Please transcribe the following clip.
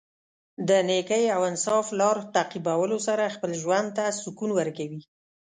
د نېکۍ او انصاف لار تعقیبولو سره خپله ژوند ته سکون ورکوي.